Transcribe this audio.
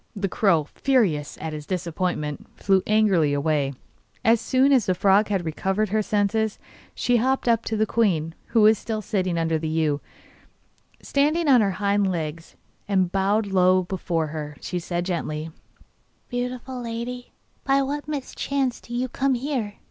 The crow, furious at his disappointment, flew angrily away. As soon as the frog had recovered her senses she hopped up to the queen, who was still sitting under the yew. Standing on her hind legs, and bowing low before her, she said gently: 'Beautiful lady, by what mischance do you come here?